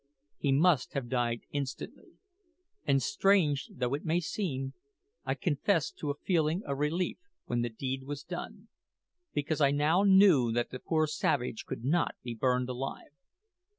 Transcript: He must have died instantly; and, strange though it may seem, I confess to a feeling of relief when the deed was done, because I now knew that the poor savage could not be burned alive.